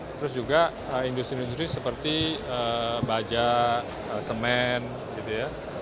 terus juga industri industri seperti baja semen gitu ya